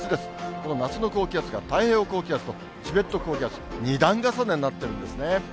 この夏の高気圧が太平洋高気圧とチベット高気圧、２段重ねになってるんですね。